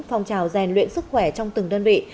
phong trào rèn luyện sức khỏe trong từng đơn vị